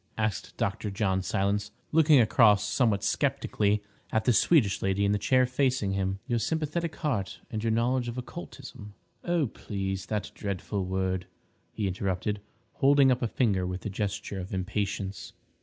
asked Dr. John Silence, looking across somewhat sceptically at the Swedish lady in the chair facing him. "Your sympathetic heart and your knowledge of occultism—" "Oh, please—that dreadful word!" he interrupted, holding up a finger with a gesture of impatience.